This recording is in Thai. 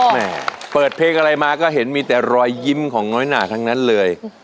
แม่เปิดเพลงอะไรมาก็เห็นมีแต่รอยยิ้มของน้อยหนาทั้งนั้นเลย